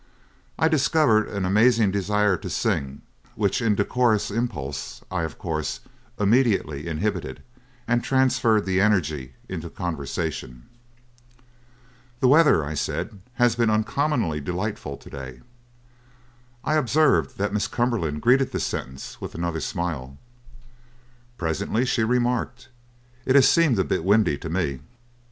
"I discovered an amazing desire to sing, which indecorous impulse I, of course, immediately inhibited and transferred the energy into conversation. "'The weather,' said I. 'has been uncommonly delightful to day.' "I observed that Miss Cumberland greeted this sentence with another smile. "Presently she remarked: 'It has seemed a bit windy to me.'